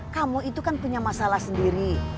kamu itu kan punya masalah sendiri